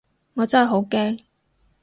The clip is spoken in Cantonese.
我真係好驚